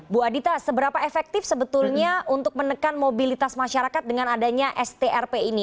bu adita seberapa efektif sebetulnya untuk menekan mobilitas masyarakat dengan adanya strp ini